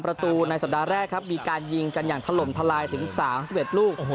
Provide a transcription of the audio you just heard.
ประตูในสัปดาห์แรกครับมีการยิงกันอย่างถล่มทลายถึง๓๑ลูก